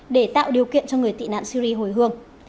để tạo điều kiện cho người tị nạn syri hồi hương